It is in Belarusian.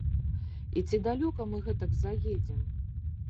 І ці далёка мы гэтак заедзем?